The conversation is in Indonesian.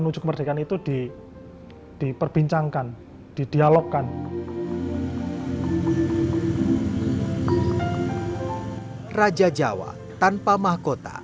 menuju kemerdekaan itu di diperbincangkan di dialogkan raja jawa tanpa mahkota